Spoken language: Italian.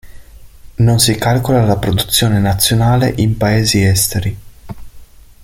Non si calcola la produzione nazionale in paesi esteri.